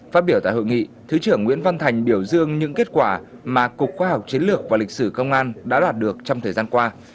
phát biểu tại hội nghị thứ trưởng nguyễn văn thành biểu dương những kết quả mà cục khoa học chiến lược và lịch sử công an đã đạt được trong thời gian qua